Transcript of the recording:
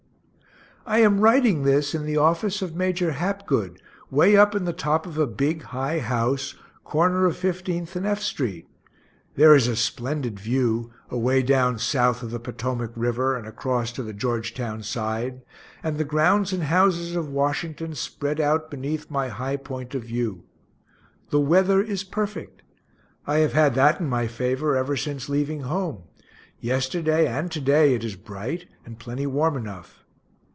I am writing this in the office of Major Hapgood, way up in the top of a big high house, corner of 15th and F street; there is a splendid view, away down south of the Potomac river, and across to the Georgetown side, and the grounds and houses of Washington spread out beneath my high point of view. The weather is perfect I have had that in my favor ever since leaving home yesterday and to day it is bright, and plenty warm enough.